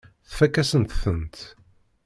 Tfakk-asent-tent.